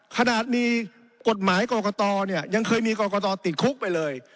ขนาดมีกฎหมายกรกตเนี่ยยังเคยมีกรกตติดคุกไปเลย